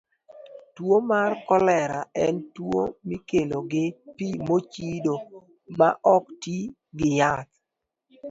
Tuwo mar kolera en tuwo mikelo gi pi mochido ma ok oti gi yath.